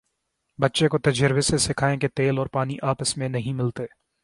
بچے کو تجربے سے سکھائیں کہ تیل اور پانی آپس میں نہیں ملتے